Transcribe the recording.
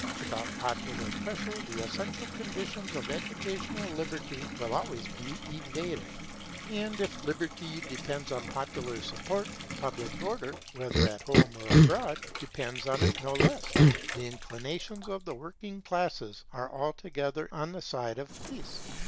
Without popular pressure, the essential conditions of educational liberty will always be evaded. And if Liberty depends upon popular support, Public Order, whether at home or abroad, depends upon it no less. The inclinations of the working classes are altogether on the side of peace.